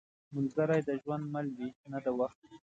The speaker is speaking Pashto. ملګری د ژوند مل وي، نه د وخت.